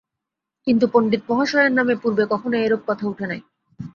কিন্তু পণ্ডিতমহাশয়ের নামে পূর্বে কখনো এরূপ কথা উঠে নাই।